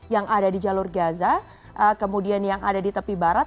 yang ada di jalur gaza kemudian yang ada di tepi barat